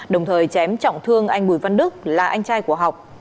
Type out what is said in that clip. đồng thời chém trọng thương anh bùi văn đức là anh trai của học